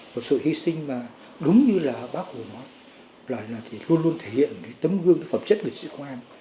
một sự hy sinh mà đúng như là bác hồ nói là luôn luôn thể hiện tấm gương phẩm chất của chính trị công an